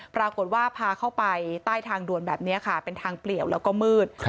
ปรากฏว่าพาเข้าไปใต้ทางด่วนแบบนี้ค่ะเป็นทางเปลี่ยวแล้วก็มืด